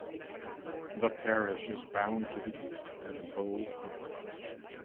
The parish is bound to the east by the Bow Brook.